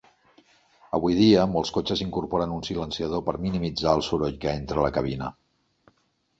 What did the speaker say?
Avui dia, molts cotxes incorporen un silenciador per minimitzar el soroll que entra a la cabina.